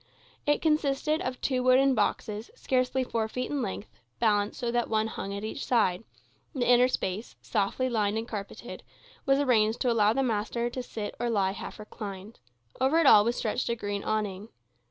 It consisted of two wooden boxes, scarce four feet in length, balanced so that one hung at each side; the inner space, softly lined and carpeted, was arranged to allow the master to sit or lie half reclined; over it all was stretched a green awning.